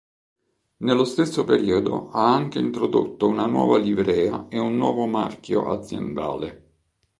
Nello stesso periodo ha anche introdotto una nuova livrea e un nuovo marchio aziendale.